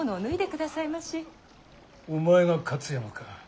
お前が勝山か？